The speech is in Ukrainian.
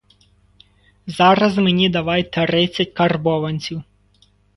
Зараз мені давай тридцять карбованців.